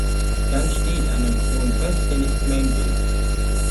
Dann steht einem frohen Fest ja nichts mehr im Weg.